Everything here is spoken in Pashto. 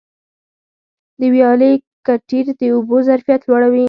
د ویالي کټېر د اوبو ظرفیت لوړوي.